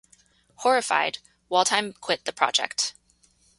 Horrified, Waldheim quit the project.